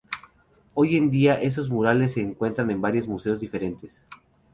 Hoy en día esos murales se encuentran en varios museos diferentes.